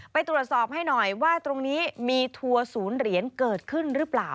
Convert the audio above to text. ไปตรวจสอบให้หน่อยว่าตรงนี้มีทัวร์ศูนย์เหรียญเกิดขึ้นหรือเปล่า